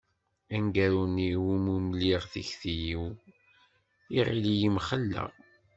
Aneggaru-nni iwumi mliɣ tikti-iw, iɣill-iyi mxelleɣ.